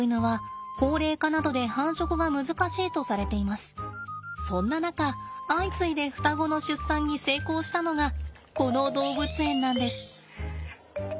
国内のそんな中相次いで双子の出産に成功したのがこの動物園なんです！